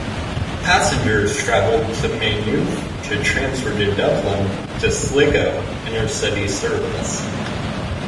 Passengers travel to Maynooth to transfer to Dublin to Sligo intercity service.